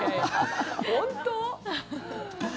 本当？